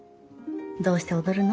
「どうして踊るの？」